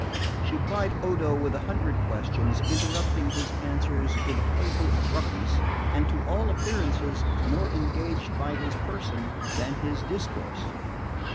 She plied Odo with a hundred questions, interrupting his answers with a playful abruptness, and to all appearances more engaged by his person than his discourse.